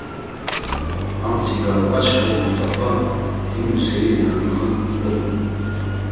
Amtsika uǩaçxe, Must̆afa, himu seiri na vikum ognu.